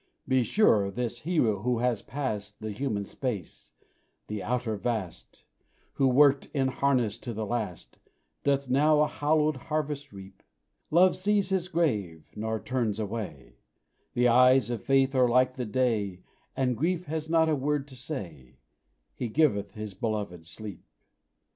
Be sure this hero who has passed The human space the outer vast Who worked in harness to the last, Doth now a hallowed harvest reap. Love sees his grave, nor turns away The eyes of faith are like the day, And grief has not a word to say "He giveth His beloved sleep."